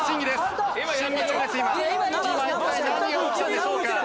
今一体何が起きたんでしょうか？